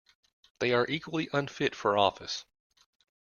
They are equally unfit for office